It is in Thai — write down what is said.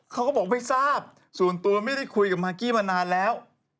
เขาก็บอกไม่ทราบส่วนตัวไม่ได้คุยกับมากกี้มานานแล้ว